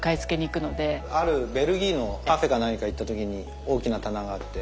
あるベルギーのカフェか何か行った時に大きな棚があって。